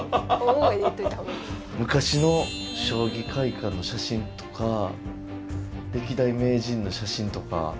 昔の将棋会館の写真とか歴代名人の写真とか。